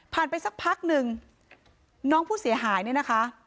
ไปสักพักหนึ่งน้องผู้เสียหายเนี่ยนะคะ